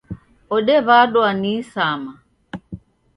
Odewadwa ni isama